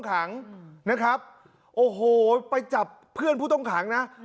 ขังนะครับโอ้โหไปจับเพื่อนผู้ต้องขังนะ